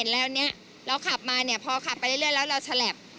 เราขับมาพอขับไปเรื่อยแล้วเราแฉลป